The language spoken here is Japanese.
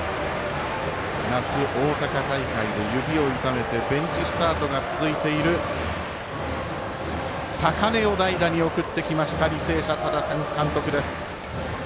夏、大阪大会で、指を痛めてベンチスタートが続いている坂根を代打に送ってきました履正社、多田監督です。